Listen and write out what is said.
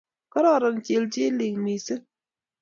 kororon chilchilik mising